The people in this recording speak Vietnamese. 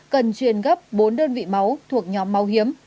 cần truyền gấp bốn đơn vị máu thuộc nhóm máu hiếm